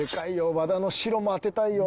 和田の白も当てたいよ。